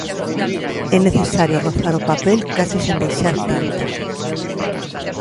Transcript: É necesario rozar o papel case sen deixar tinta.